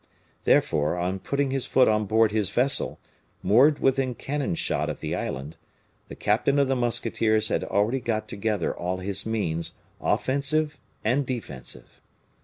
Therefore, on putting his foot on board his vessel, moored within cannon shot of the island, the captain of the musketeers had already got together all his means, offensive and defensive.